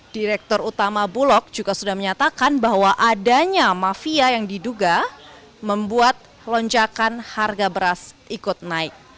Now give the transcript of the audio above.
direktur utama bulog juga sudah menyatakan bahwa adanya mafia yang diduga membuat lonjakan harga beras ikut naik